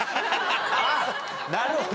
なるほど。